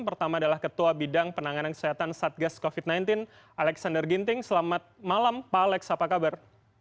pertama adalah ketua bidang penanganan kesehatan satgas covid sembilan belas alexander ginting selamat malam pak alex apa kabar